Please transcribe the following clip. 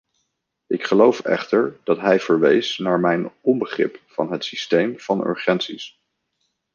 Ik geloof echter dat hij verwees naar mijn onbegrip van het systeem van urgenties.